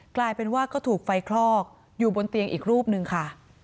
กลายเป็นว่าก็ถูกไฟคลอกอยู่บนเตียงอีกรูปหนึ่งค่ะ